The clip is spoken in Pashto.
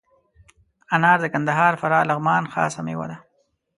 انار د کندهار، فراه، لغمان خاص میوه ده.